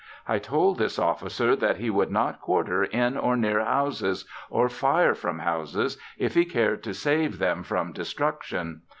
I told this officer that he would not quarter in or near houses, or fire from houses, if he cared to save them from destruction.